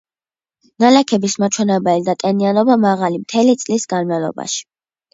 ნალექების მაჩვენებელი და ტენიანობა მაღალი მთელი წლის განმავლობაში.